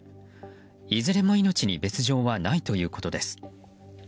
いずれも命に別条はないということです。